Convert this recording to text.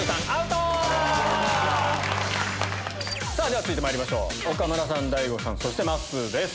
では続いてまいりましょう岡村さん大悟さんまっすーです。